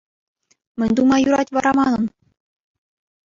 Мӗн тума юрать вара манӑн?